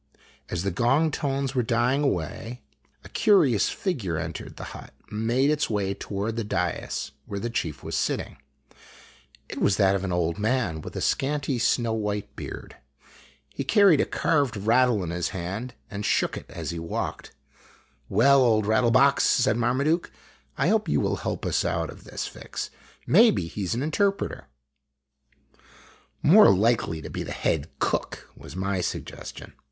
As the gong tones were dying away a curious figure entered the hut and made its way toward the dais where the chief was sitting. It was that of an old man with a scanty 6 "TAKING THE SKATE VERY GINGERLY IN HIS LEFT HAND, HE SPUN THE LITTLE WHEELS WITH HIS RIGHT." snow white beard. He carried a carved rattle in his hand and shook it as he walked. "Well, Old Rattle box," said Marmaduke, "I hope you will help us out of this fix. Maybe he 's an interpreter." " More likely to be the head cook," was my suggestion.